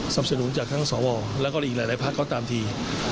สนุนจากทั้งสวแล้วก็อีกหลายพักก็ตามที